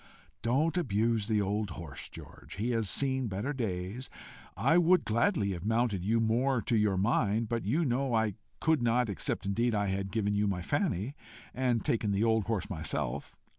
"Don't abuse the old horse, George: he has seen better days. I would gladly have mounted you more to your mind, but you know I could not except indeed I had given you my Fanny, and taken the old horse myself.